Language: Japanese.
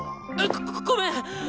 ごっごめん！